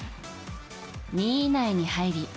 ２位以内に入りＪ２